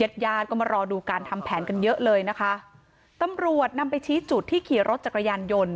ญาติญาติก็มารอดูการทำแผนกันเยอะเลยนะคะตำรวจนำไปชี้จุดที่ขี่รถจักรยานยนต์